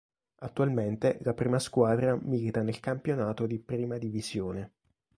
Attualmente la prima squadra milita nel campionato di Prima Divisione.